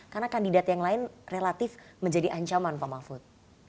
karena kandidat yang lain relatif menjadi ancaman pak mafud